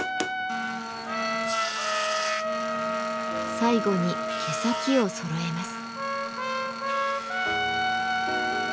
最後に毛先を揃えます。